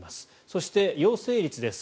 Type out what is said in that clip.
そして陽性率です。